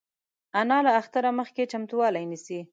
انا له اختره مخکې چمتووالی نیسي